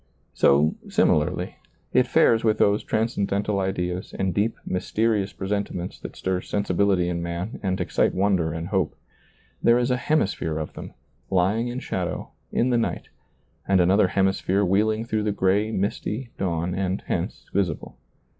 So, similarly, it fares with those transcendental ideas and deep, mysterious presentiments that stir sensibility in man and excite wonder and hope. There is a hemisphere of them, lying in shadow, in the night, and another hemisphere wheeling through the gray, misty dawn and hence visible.